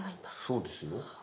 そうですよ。